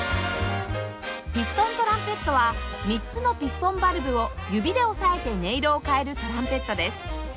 ピストントランペットは３つのピストンバルブを指で押さえて音色を変えるトランペットです